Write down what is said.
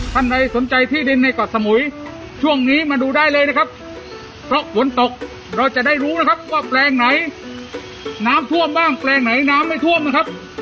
เราจะได้รู้นะครับว่าแปลงไหนน้ำท่วมบ้างแปลงไหนน้ำไม่ท่วมนะครับ